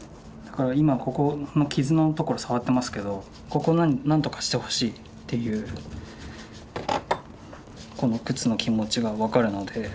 だから今ここの傷の所触ってますけどここ何とかしてほしいっていうこの靴の気持ちが分かるので。